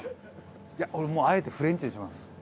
いや俺もうあえてフレンチにします。